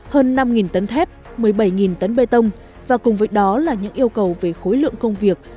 hơn năm tấn thép một mươi bảy tấn bê tông và cùng với đó là những yêu cầu về khối lượng công việc